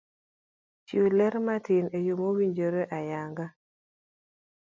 Chiw ler matin eyo mawinjore ayanga